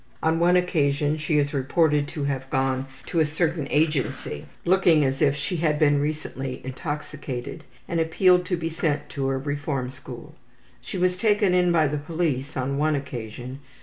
On one occasion she is reported to have gone to a certain agency, looking as if she had been recently intoxicated, and appealed to be sent to a reform school. She was taken in by the police on one occasion.